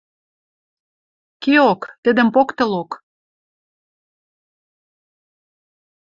Кеок, тӹдӹм поктылок.